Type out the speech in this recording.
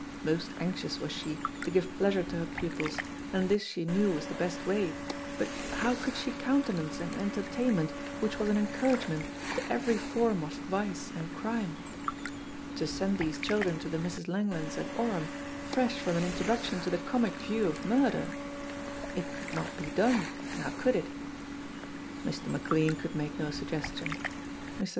Most anxious was she to give pleasure to her pupils, and this she knew was the best way, but how could she countenance an entertainment which was an encouragement to every form of vice and crime? To send these children to the Misses Langlands and Oram, fresh from an introduction to the comic view of murder! It could not be done, now could it? Mr. McLean could make no suggestion. Mr.